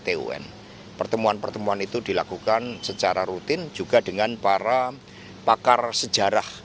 tun pertemuan pertemuan itu dilakukan secara rutin juga dengan para pakar sejarah